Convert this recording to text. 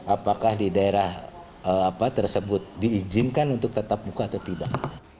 apakah di daerah tersebut diizinkan untuk tetap buka atau tidak